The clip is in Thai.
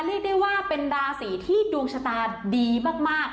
เรียกได้ว่าเป็นราศีที่ดวงชะตาดีมาก